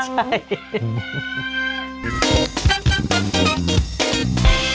ใช่